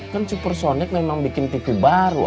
kan supersonic memang bikin tv baru